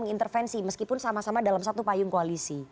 mengintervensi meskipun sama sama dalam satu payung koalisi